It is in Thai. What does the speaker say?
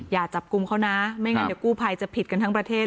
อย่าจับกลุ่มเขานะไม่งั้นเดี๋ยวกู้ภัยจะผิดกันทั้งประเทศ